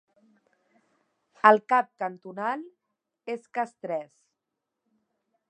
El cap cantonal és Castres.